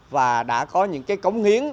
và đã có những công hiến